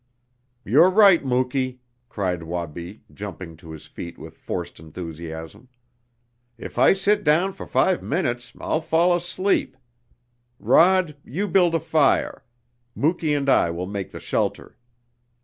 "You're right, Muky," cried Wabi, jumping to his feet with forced enthusiasm. "If I sit down for five minutes I'll fall asleep. Rod, you build a fire. Muky and I will make the shelter."